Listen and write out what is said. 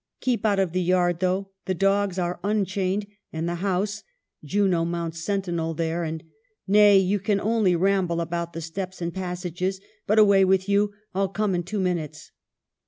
Keep out of the yard, though, the dogs are unchained ; and the house — Juno mounts sentinel there, and — nay, you can only ramble about the steps and passages. But, away with you ! I'll come in two minutes.'